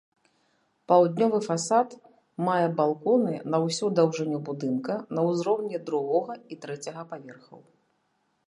Паўднёвы фасад мае балконы на ўсю даўжыню будынка на ўзроўні другога і трэцяга паверхаў.